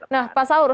nah pak saur